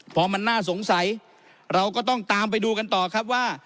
พอมันน่าสงสัยเราก็ต้องตามไปดูกันต่อครับว่า